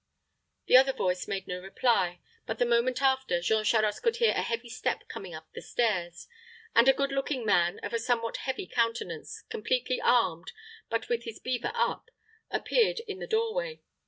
The other voice made no reply, but the moment after Jean Charost could hear a heavy step coming up the stairs, and a good looking man, of a somewhat heavy countenance, completely armed, but with his beaver up, appeared in the doorway.